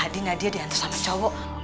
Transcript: tadi nadia diantar sama cowok